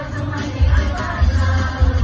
สวัสดีครับ